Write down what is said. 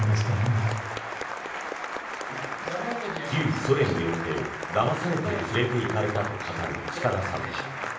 旧ソ連によってだまされて連れていかれたと語る近田さん。